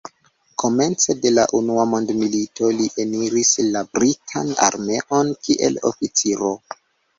Komence de la unua mondmilito li eniris la britan armeon kiel oficiro.